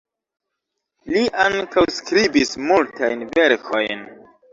Li ankaŭ skribis multajn verkojn.